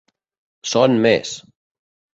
Són més.